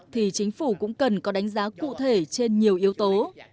thì chính phủ cũng cần có đánh giá cụ thể trên nhiều yếu tố